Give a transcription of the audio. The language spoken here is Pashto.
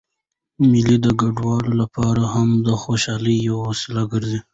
مېلې د کډوالو له پاره هم د خوشحالۍ یوه وسیله ګرځي.